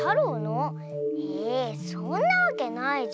えそんなわけないじゃん。